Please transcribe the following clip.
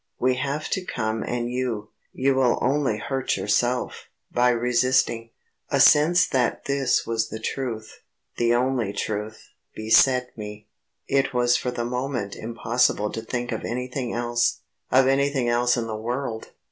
We have to come and you, you will only hurt yourself, by resisting." A sense that this was the truth, the only truth, beset me. It was for the moment impossible to think of anything else of anything else in the world.